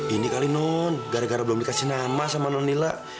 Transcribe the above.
ini kali nun gara gara belum dikasih nama sama nunila